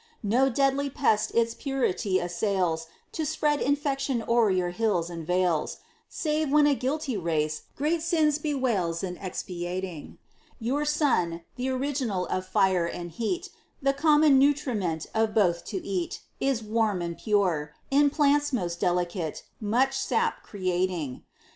No deadly pest its purity assails, To spread infection o'er your hills and vales, Save when a guilty race, great sins bewails In expiating. Your Sun, th' original of Fire and heat, The common nutriment of both to eat, Is warm and pure; in plants most delicate, Much sap creating.